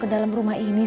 ke dalam rumah unto